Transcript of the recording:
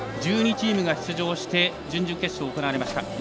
１２チームが出場して準々決勝行われました。